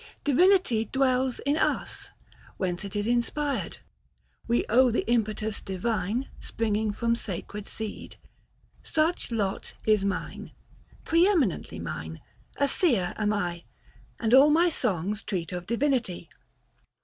Divinity dwells in us ; whence it*1s Inspired, we own the impetus divine Springing from sacred seed. Such lot is mine — Pre eminently mine ; a seer am I. And all my song treats of divinity.